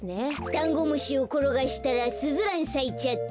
だんごむしをころがしたらスズランさいちゃった。